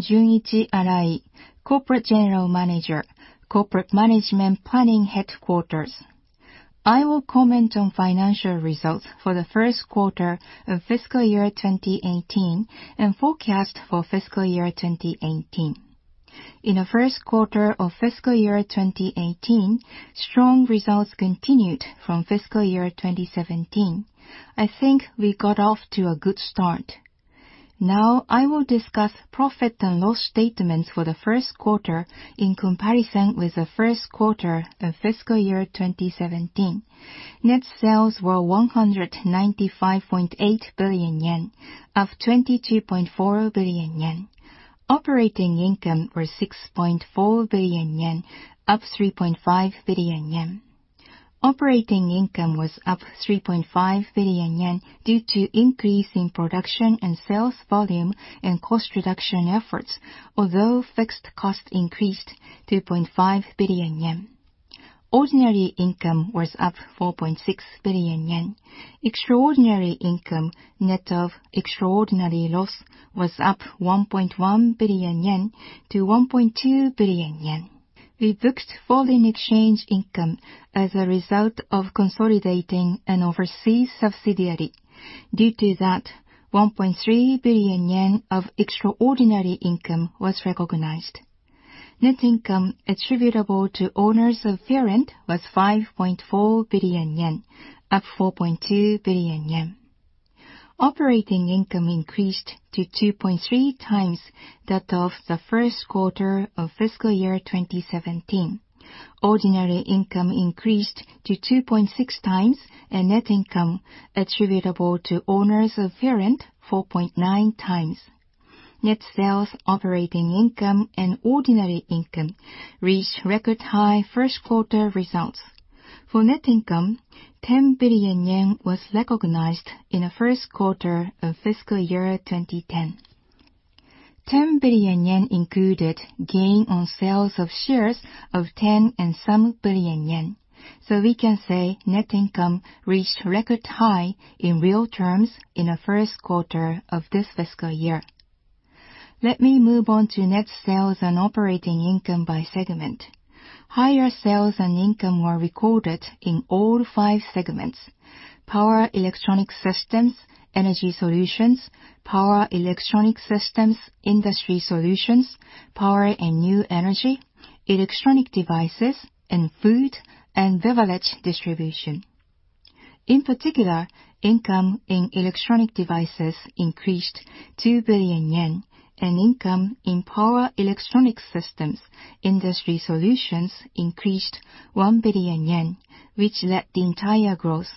I am Junichi Arai, Corporate General Manager, Corporate Management Planning Headquarters. I will comment on financial results for the first quarter of fiscal year 2018 and forecast for fiscal year 2018. In the first quarter of fiscal year 2018, strong results continued from fiscal year 2017. I think we got off to a good start. I will discuss profit and loss statements for the first quarter in comparison with the first quarter of fiscal year 2017. Net sales were 195.8 billion yen, up 22.4 billion yen. Operating income was 6.4 billion yen, up 3.5 billion yen. Operating income was up 3.5 billion yen due to increase in production and sales volume and cost reduction efforts, although fixed costs increased to 2.5 billion yen. Ordinary income was up 4.6 billion yen. Extraordinary income, net of extraordinary loss, was up 1.1 billion yen to 1.2 billion yen. We booked foreign exchange income as a result of consolidating an overseas subsidiary. Due to that, 1.3 billion yen of extraordinary income was recognized. Net income attributable to owners of parent was 5.4 billion yen, up 4.2 billion yen. Operating income increased to 2.3 times that of the first quarter of fiscal year 2017. Ordinary income increased to 2.6 times, and net income attributable to owners of parent 4.9 times. Net sales, operating income, and ordinary income reached record high first-quarter results. For net income, 10 billion yen was recognized in the first quarter of fiscal year 2010. 10 billion yen included gain on sales of shares of JPY 10-and-some billion. We can say net income reached a record high in real terms in the first quarter of this fiscal year. Let me move on to net sales and operating income by segment. Higher sales and income were recorded in all five segments: Power Electronics Systems Energy Solutions, Power Electronics Systems Industry Solutions, Power and New Energy, Electronic Devices, and Food and Beverage Distribution. In particular, income in Electronic Devices increased 2 billion yen, and income in Power Electronics Systems Industry Solutions increased 1 billion yen, which led the entire growth.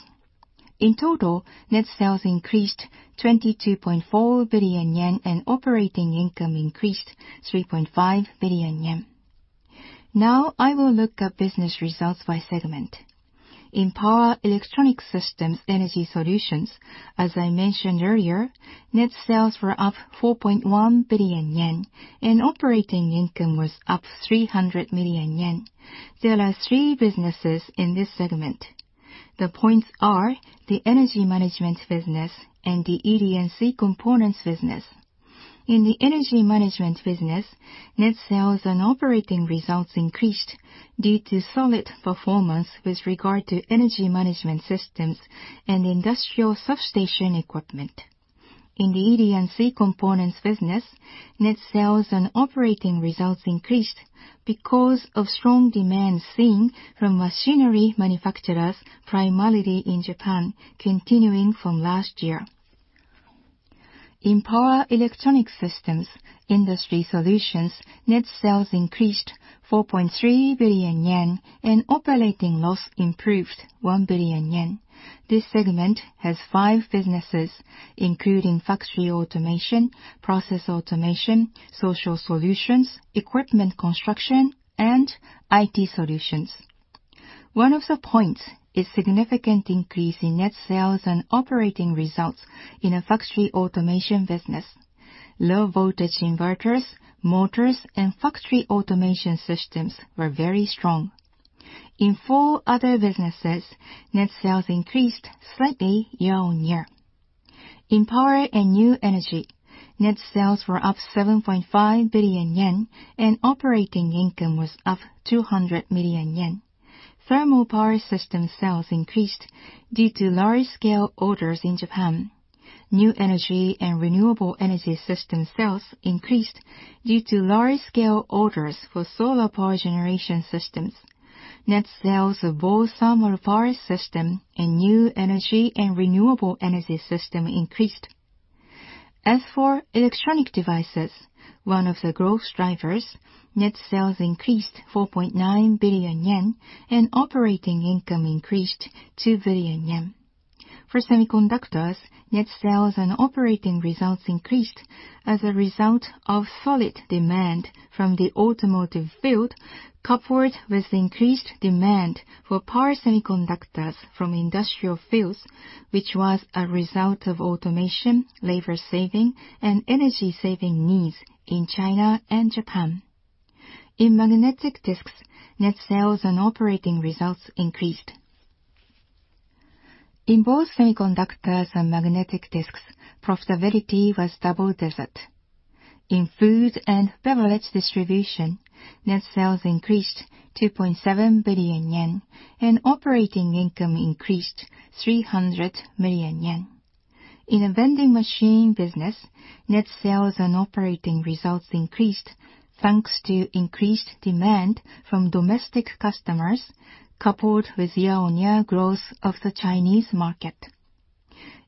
In total, net sales increased 22.4 billion yen and operating income increased 3.5 billion yen. I will look at business results by segment. In Power Electronics Systems Energy Solutions, as I mentioned earlier, net sales were up 4.1 billion yen, and operating income was up 300 million yen. There are three businesses in this segment. The points are the energy management business and the ED&C components business. In the energy management business, net sales and operating results increased due to solid performance with regard to energy management systems and industrial substation equipment. In the ED&C components business, net sales and operating results increased because of strong demand seen from machinery manufacturers primarily in Japan, continuing from last year. In Power Electronics Systems Industry Solutions, net sales increased 4.3 billion yen and operating loss improved 1 billion yen. This segment has five businesses, including Factory Automation, process automation, Social Solutions, Equipment Construction, and IT Solutions. One of the points is significant increase in net sales and operating results in a Factory Automation business. low-voltage inverters, motors, and factory automation systems were very strong. In four other businesses, net sales increased slightly year-on-year. In Power and New Energy, net sales were up 7.5 billion yen, and operating income was up 200 million yen. thermal power system sales increased due to large-scale orders in Japan. new energy and renewable energy system sales increased due to large-scale orders for solar power generation systems. Net sales of both thermal power system and new energy and renewable energy system increased. As for Electronic Devices, one of the growth drivers, net sales increased 4.9 billion yen and operating income increased 2 billion yen. For Semiconductors, net sales and operating results increased as a result of solid demand from the automotive field, coupled with increased demand for power semiconductors from industrial fields, which was a result of automation, labor saving, and energy saving needs in China and Japan. In magnetic disks, net sales and operating results increased. In both Semiconductors and magnetic disks, profitability was double digit. In Food and Beverage Distribution, net sales increased 2.7 billion yen, and operating income increased 300 million yen. In the vending machine business, net sales and operating results increased, thanks to increased demand from domestic customers, coupled with year-on-year growth of the Chinese market.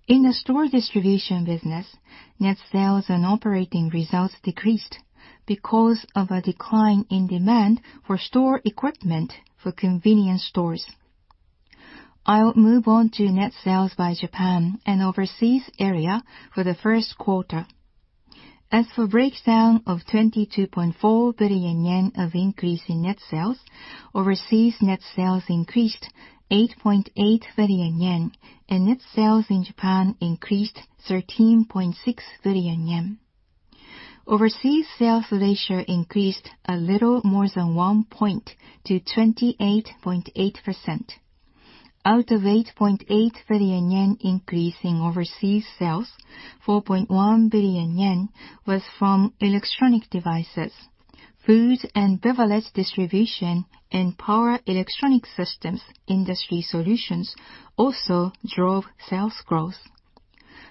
In the Store Distribution business, net sales and operating results decreased because of a decline in demand for store equipment for convenience stores. I'll move on to net sales by Japan and overseas area for the first quarter. As for breakdown of 22.4 billion yen of increase in net sales, overseas net sales increased 8.8 billion yen, and net sales in Japan increased 13.6 billion yen. Overseas sales ratio increased a little more than one point to 28.8%. Out of 8.8 billion yen increase in overseas sales, 4.1 billion yen was from Electronic Devices. Food and Beverage Distribution and Power Electronics Systems Industry Solutions also drove sales growth.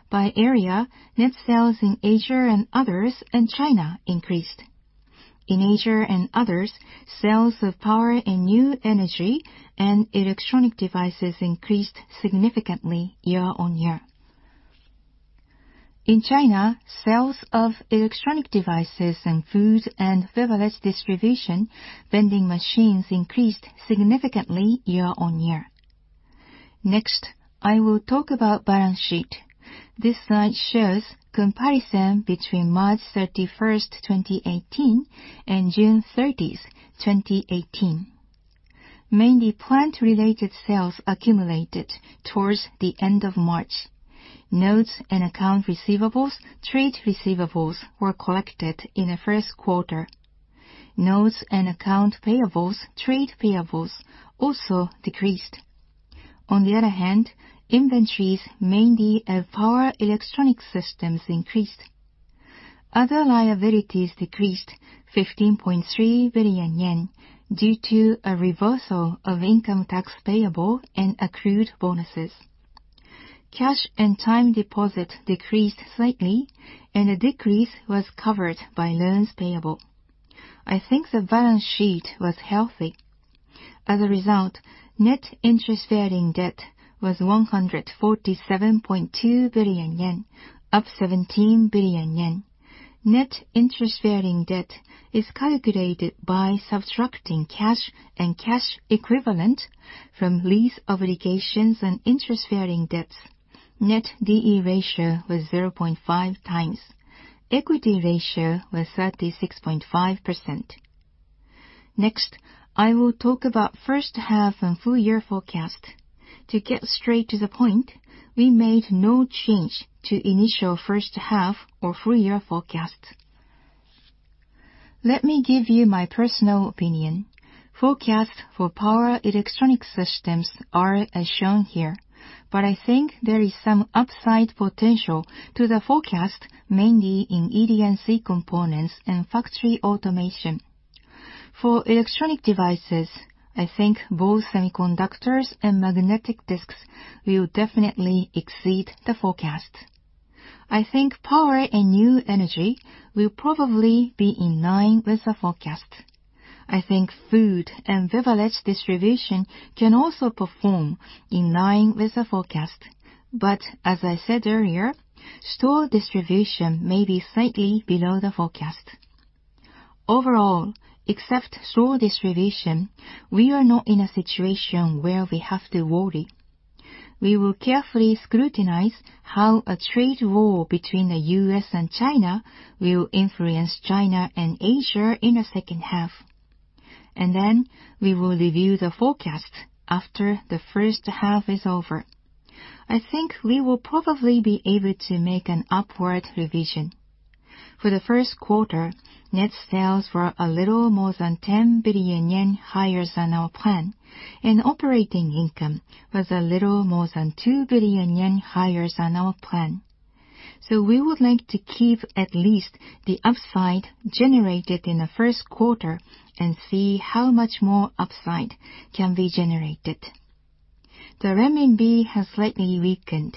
By area, net sales in Asia and others, and China increased. In Asia and others, sales of Power and New Energy and Electronic Devices increased significantly year-on-year. In China, sales of Electronic Devices and Food and Beverage Distribution, vending machines increased significantly year-on-year. Next, I will talk about balance sheet. This slide shows comparison between March 31st, 2018 and June 30th, 2018. Mainly plant-related sales accumulated towards the end of March. Notes and account receivables, trade receivables were collected in the first quarter. Notes and account payables, trade payables also decreased. On the other hand, inventories mainly of power electronic systems increased. Other liabilities decreased 15.3 billion yen due to a reversal of income tax payable and accrued bonuses. Cash and time deposit decreased slightly, and the decrease was covered by loans payable. I think the balance sheet was healthy. As a result, net interest-bearing debt was 147.2 billion yen, up 17 billion yen. Net interest-bearing debt is calculated by subtracting cash and cash equivalent from lease obligations and interest-bearing debts. Net D/E ratio was 0.5 times. Equity ratio was 36.5%. Next, I will talk about first half and full year forecast. To get straight to the point, we made no change to initial first half or full year forecast. Let me give you my personal opinion. Forecast for power electronic systems are as shown here, but I think there is some upside potential to the forecast, mainly in ED&C components and factory automation. For Electronic Devices, I think both Semiconductors and magnetic disks will definitely exceed the forecast. I think Power and New Energy will probably be in line with the forecast. I think Food and Beverage Distribution can also perform in line with the forecast. As I said earlier, Store Distribution may be slightly below the forecast. Overall, except Store Distribution, we are not in a situation where we have to worry. We will carefully scrutinize how a trade war between the U.S. and China will influence China and Asia in the second half. We will review the forecast after the first half is over. I think we will probably be able to make an upward revision. For the first quarter, net sales were a little more than 10 billion yen higher than our plan, and operating income was a little more than 2 billion yen higher than our plan. We would like to keep at least the upside generated in the first quarter and see how much more upside can be generated. The renminbi has slightly weakened.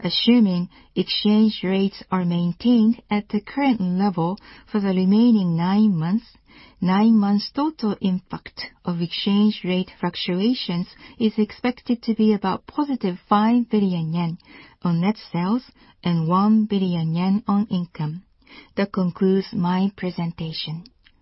Assuming exchange rates are maintained at the current level for the remaining nine months, total impact of exchange rate fluctuations is expected to be about positive 5 billion yen on net sales and 1 billion yen on income. That concludes my presentation.